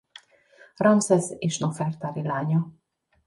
Ramszesz és Nofertari lánya.